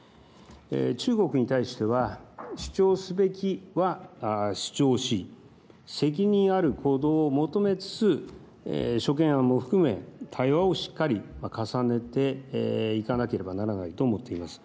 中国に対しては主張すべきは主張し責任ある行動を求めつつ諸懸案も含め対話をしっかり重ねていかなければならないと思っています。